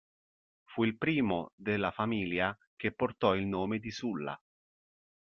Fu il primo della "familia" che portò il nome di "Sulla".